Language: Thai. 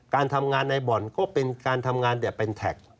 การทำงานในบ่อนก็เป็นการทำงานแบบเป็นแท็ก